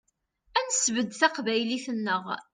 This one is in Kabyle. Ad nesbedd taqbaylit-nneɣ.